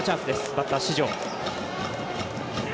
バッター、四條。